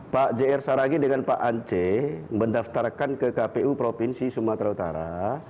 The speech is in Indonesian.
pak jr saragi dengan pak ance mendaftarkan ke kpu provinsi sumatera utara